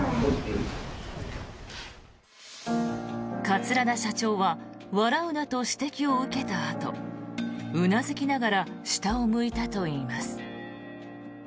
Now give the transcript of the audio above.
桂田社長は笑うなと指摘を受けたあとうなずきながら下を向いたといいます。